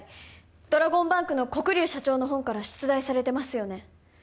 ドラゴンバンクの黒龍社長の本から出題されてますよね？